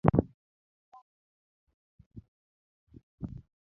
Niang mamit ema kudni chuoyo